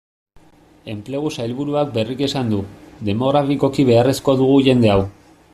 Enplegu sailburuak berriki esan du, demografikoki beharrezko dugu jende hau.